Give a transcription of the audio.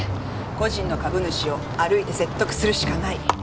個人の株主を歩いて説得するしかない。